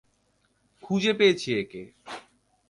খুঁজে পেয়েছি একে!